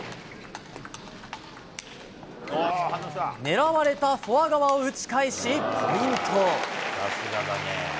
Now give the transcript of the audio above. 狙われたフォア側を打ち返しポイント。